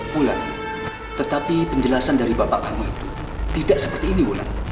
pulang tetapi penjelasan dari bapak kamu itu tidak seperti ini